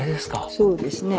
そうですね。